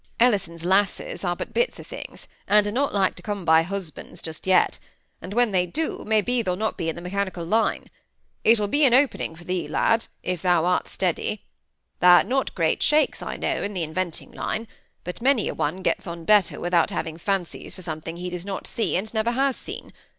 Ellison's lasses are but bits o' things, and are not like to come by husbands just yet; and when they do, maybe they'll not be in the mechanical line. It will be an opening for thee, lad, if thou art steady. Thou'rt not great shakes, I know, in th' inventing line; but many a one gets on better without having fancies for something he does not see and never has seen.